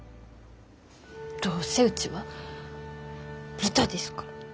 どうせうちは豚ですから。